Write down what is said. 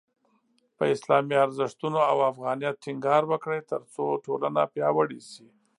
په اسلامي ارزښتونو او افغانیت ټینګار وکړئ، ترڅو ټولنه پیاوړې شي.